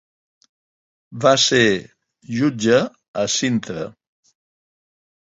Va ser jutge a Cintra.